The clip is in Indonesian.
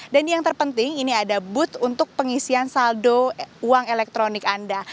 dan yang terpenting ini ada booth untuk pengisian saldo uang elektronik anda